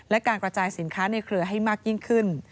และการกระจายสินค้าในเครือให้มากยิ่งขึ้น